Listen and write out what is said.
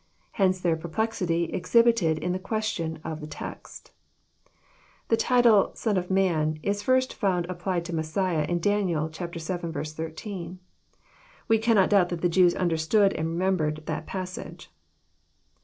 Hence their perplexity exhibited in tJie question of the text. The title, Son of man," is first found applied to Messiah in Daniel vii. 13. We cannot doubt that the Jews understood and remembered that passage.